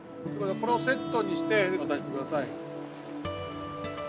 このセットにして渡して下さい。